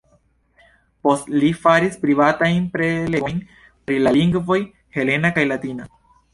Post li faris privatajn prelegojn pri la lingvoj helena kaj latina.